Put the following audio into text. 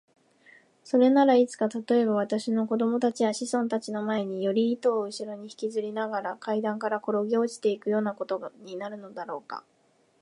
それならいつか、たとえば私の子供たちや子孫たちの前に、より糸をうしろにひきずりながら階段からころげ落ちていくようなことになるのだろうか。